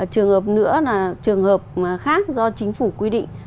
trường hợp nữa là trường hợp khác do chính phủ quy định